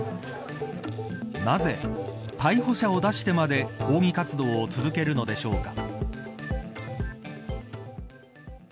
なぜ、逮捕者を出してまで抗議活動を続けるのでしょうか。